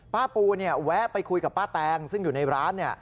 ป้าปูแวะไปคุยกับป้าแตงซึ่งอยู่ในร้าน